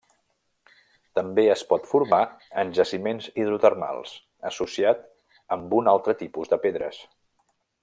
També es pot formar en jaciments hidrotermals, associat amb un altre tipus de pedres.